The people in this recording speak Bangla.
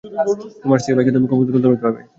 তোমার স্ত্রীর ভাইকে তুমি কতল করতে পারবে?